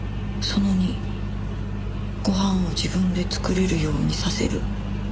「その２ご飯を自分で作れるようにさせる」